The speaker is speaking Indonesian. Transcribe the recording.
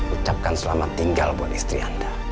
ucapkan selamat tinggal buat istri anda